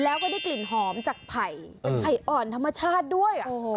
แล้วก็ได้กลิ่นหอมจากไผ่เป็นไผ่อ่อนธรรมชาติด้วย